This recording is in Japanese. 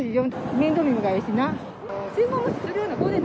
面倒見がいいしな。